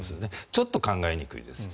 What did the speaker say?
ちょっと考えにくいです。